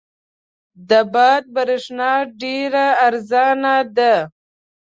د باد برېښنا ډېره ارزانه ده.